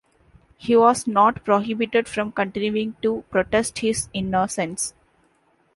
He was not prohibited from continuing to protest his innocence.